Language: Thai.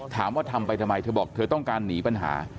ทำไปทำไมเธอบอกเธอต้องการหนีปัญหา